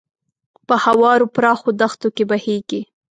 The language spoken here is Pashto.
په هوارو پراخو دښتو کې بهیږي.